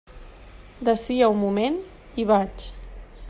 D'ací a un moment hi vaig.